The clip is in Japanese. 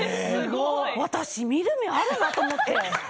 私、見る目あるなと思って。